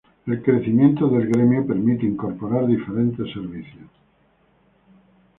El crecimiento del Gremio, permite incorporar diferentes servicios.